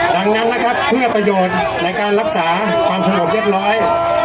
ดังนั้นนะครับเพื่อประโยชน์ในการรักษาความสงบเรียบร้อย